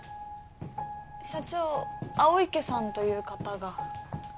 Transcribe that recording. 社長青池さんという方が。